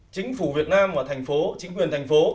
chính phủ việt nam và thành phố chính quyền thành phố